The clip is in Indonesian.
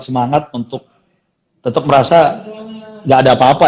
semangat untuk tetap merasa gak ada apa apa